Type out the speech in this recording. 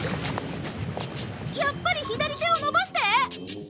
やっぱり左手を伸ばして！